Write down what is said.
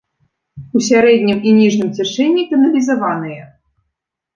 У сярэднім і ніжнім цячэнні каналізаваная.